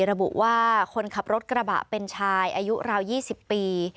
ระบุว่าคนขับรถกระบะเป็นชายอายุราว๒๐ปี